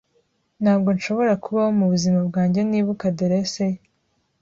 Ntabwo nshobora kubaho mubuzima bwanjye nibuka adresse ye.